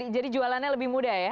jadi jualannya lebih mudah ya